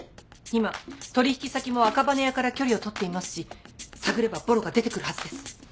今取引先も赤羽屋から距離を取っていますし探ればぼろが出てくるはずです。